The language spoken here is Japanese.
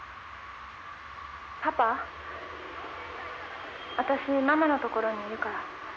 「パパ私ママのところにいるから」